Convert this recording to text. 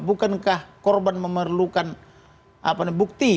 bukankah korban memerlukan bukti